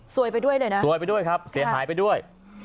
สวยไปด้วยครับเสียหายไปด้วย